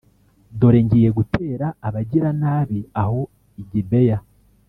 Dore ngiye gutera abagiranabi aho i Gibeya?